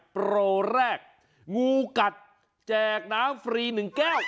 โปรแรกงูกัดแจกน้ำฟรี๑แก้ว